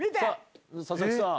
佐々木さん。